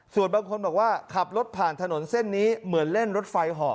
ส่วนบางคนบอกว่าขับรถผ่านถนนเส้นนี้เหมือนเล่นรถไฟห่อ